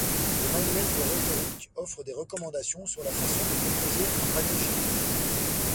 Les manuels de rhétorique offrent des recommandations sur la façon de composer un panégyrique.